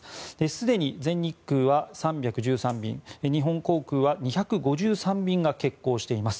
すでに全日空は３１３便日本航空は２５３便が欠航しています。